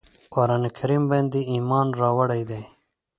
قرآن کریم باندي ایمان راوړی دی.